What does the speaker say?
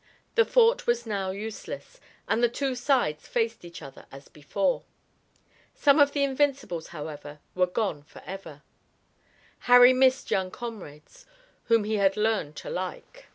The fort was now useless, and the two sides faced each other as before. Some of the Invincibles, however, were gone forever. Harry missed young comrades whom he had learned to like.